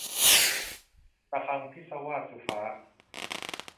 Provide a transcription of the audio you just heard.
ระฆังพิศวาส - สุฟ้า